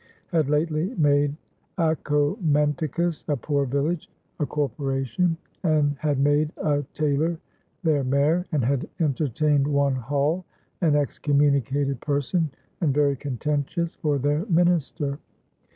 had lately made Acomenticus (a poor village) a corporation, and had made a taylor their mayor, and had entertained one Hull, an excommunicated person and very contentious, for their minister."